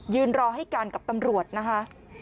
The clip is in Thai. รอให้กันกับตำรวจนะคะ